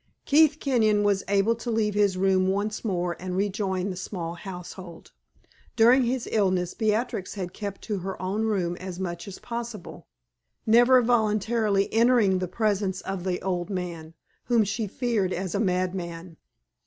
Keith Kenyon was able to leave his room once more and rejoin the small household. During his illness Beatrix had kept to her own room as much as possible, never voluntarily entering the presence of the old man, whom she feared as a madman.